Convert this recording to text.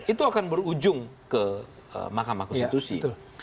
itu akan berujung ke mahkamah konstitusi